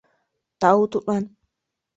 — Тау тудлан.